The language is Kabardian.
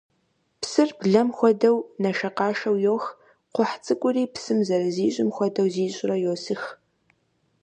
Псыр, блэм хуэдэу, нэшэкъашэу йох, кхъухь цӀыкӀури, псым зэрызищӀым хуэдэу зищӀурэ, йосых.